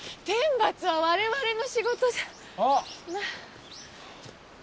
天罰は我々の仕事じゃ。